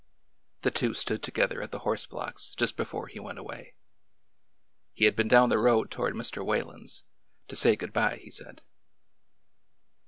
The two stood together at the horse blocks just before he went away. He had been down the road toward Mr. Whalen's — to say good by, he said.